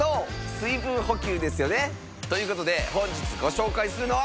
水分補給ですよね。ということで本日ご紹介するのは。